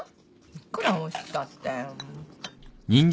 いくらおいしくたって。